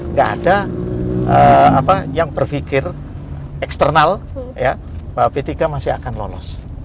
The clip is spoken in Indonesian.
nggak ada yang berpikir eksternal bahwa p tiga masih akan lolos